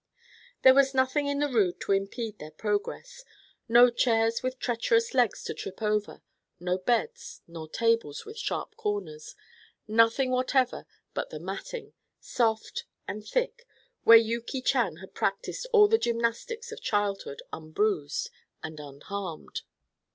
There was nothing in the room to impede their progress. No chairs with treacherous legs to trip over, no beds, nor tables with sharp corners nothing whatever but the matting, soft and thick, where Yuki Chan had practised all the gymnastics of childhood unbruised and unharmed.